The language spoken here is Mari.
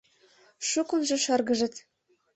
Шукынжо шыргыжыт.